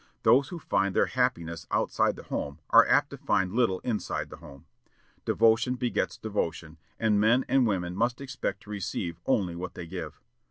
Those who find their happiness outside the home are apt to find little inside the home. Devotion begets devotion, and men and women must expect to receive only what they give.